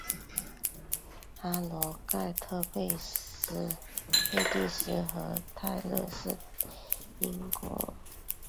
哈罗盖特贝蒂斯和泰勒是英国约克郡的一个家族企业。